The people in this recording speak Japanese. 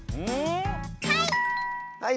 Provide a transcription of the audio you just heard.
はい！